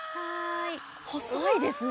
細いですね